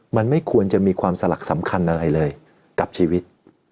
มันไม่ควรจะมีความสลักสำคัญอะไรเลยกับชีวิต